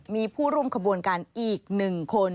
มีผู้ร่วมขบวนการอีก๑คน